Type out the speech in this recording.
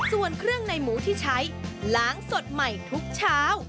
ส่วนเครื่องในหมูที่ใช้ล้างสดใหม่ทุกเช้า